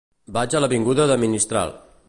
Vaig a l'avinguda de Mistral.